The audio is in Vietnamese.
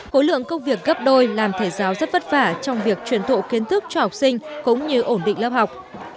khối lượng công việc gấp đôi làm thầy giáo rất vất vả trong việc truyền thụ kiến thức cho học sinh cũng như ổn định lớp học